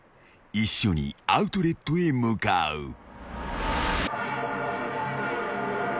［一緒にアウトレットへ向かう］